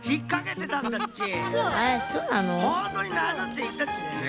ほんとうに「なぬ」って言ったっちね。